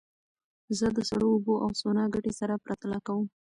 زه د سړو اوبو او سونا ګټې سره پرتله کوم.